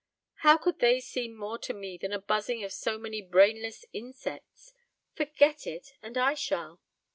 How could they seem more to me than the buzzing of so many brainless insects? Forget it, and I shall."